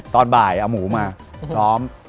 ตอนบ่ายเอาหมูมาซ้อม